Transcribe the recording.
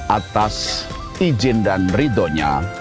atas izin dan ridhonya